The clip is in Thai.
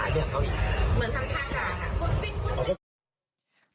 เหมือนทางนะคนติด